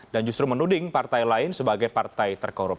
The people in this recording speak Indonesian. dan justru menuding partai lain sebagai partai terkorup